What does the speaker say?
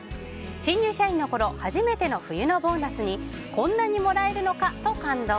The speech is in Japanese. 新入社員のころ初めての冬のボーナスにこんなにもらえるのか！と感動。